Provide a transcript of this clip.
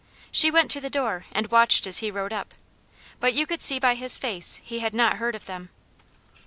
She went to the door and watched as he rode up, but you could see by his face he had not heard of them.